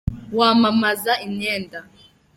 wamamaza imyenda.